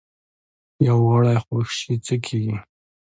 یو غړی خوږ شي څه کیږي؟